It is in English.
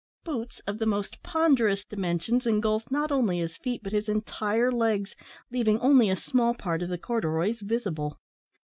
Boots of the most ponderous dimensions engulf, not only his feet, but his entire legs, leaving only a small part of the corduroys visible.